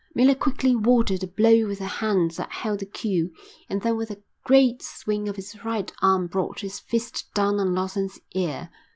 Miller quickly warded the blow with the hand that held the cue, and then with a great swing of his right arm brought his fist down on Lawson's ear.